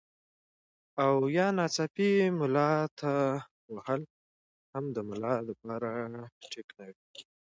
او يا ناڅاپي ملا تاوهل هم د ملا د پاره ټيک نۀ وي